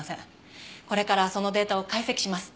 これからそのデータを解析します。